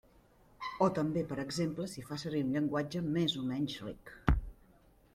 O també, per exemple, si fa servir un llenguatge més o menys ric.